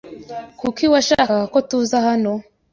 Kuki washakaga ko tuza hano?